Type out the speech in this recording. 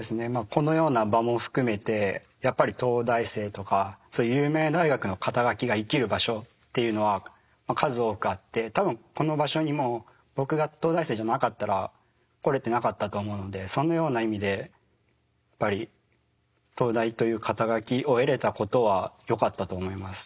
このような場も含めてやっぱり東大生とかそういう有名大学の肩書が生きる場所っていうのは数多くあって多分この場所にも僕が東大生じゃなかったら来れてなかったと思うのでそのような意味で東大という肩書を得れたことは良かったと思います。